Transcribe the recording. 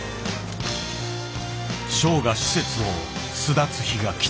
ショウが施設を巣立つ日が来た。